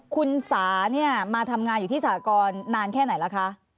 คุณสาเนี่ยมาทำงานอยู่ที่สากรนานแค่ไหนล่ะคะ